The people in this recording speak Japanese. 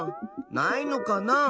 ないのかな？